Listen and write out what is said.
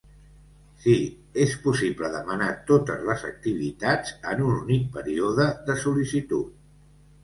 Sí, és possible demanar totes les activitats en un únic període de sol·licitud.